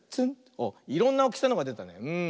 あっいろんなおおきさのがでたねうん。